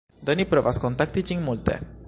Do ni provas kontakti ĝin multe